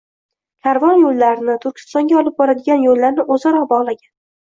Karvon yoʻllarini, Turkistonga olib boradigan yoʻllarni oʻzaro bogʻlagan